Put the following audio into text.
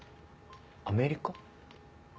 アメリカ？